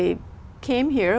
và cảm nhận